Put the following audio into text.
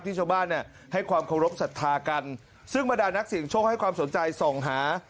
ชาวบ้านเนี่ยให้ความเคารพสัทธากันซึ่งบรรดานักเสี่ยงโชคให้ความสนใจส่องหา